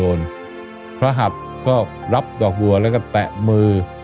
พระหัสก็รับดอกบัวแล้วก็แตะมือ